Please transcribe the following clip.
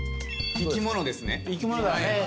生き物でね